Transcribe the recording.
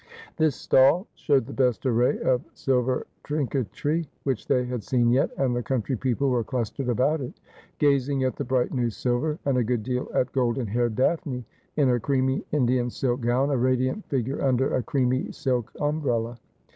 This stall showed the best array of silver trinketry which they had seen yet, and the country people were clustered about it, gazing at the bright new silver, and a good deal at golden haired Daphne in her creamy Indian silk gown, a radiant figure under a creamy silk umbrella.